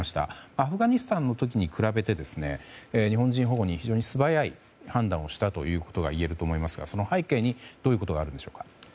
アフガニスタンの時に比べて日本人保護に非常に素早い判断をしたことがいえると思いますが、背景にどういうことあるでしょうか。